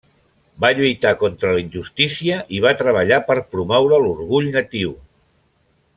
Va lluitar contra la injustícia i va treballar per promoure l'orgull natiu.